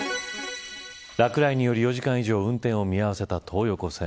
落雷により４時間以上運転を見合わせた東横線。